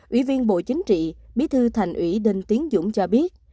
ủy viên bộ chính trị bí thư thành ủy đinh tiến dũng cho biết